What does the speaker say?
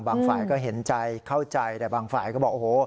บางฝ่ายก็เห็นใจเข้าใจแต่บางฝ่ายก็บอก